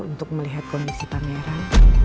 untuk melihat komisi pameran